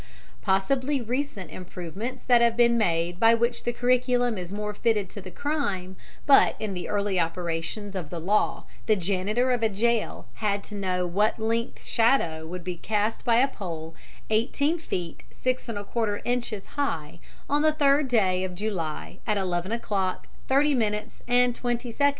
Possibly recent improvements have been made by which the curriculum is more fitted to the crime, but in the early operations of the law the janitor of a jail had to know what length shadow would be cast by a pole 18 feet 6 1/4 inches high on the third day of July at 11 o'clock 30 min. and 20 sec.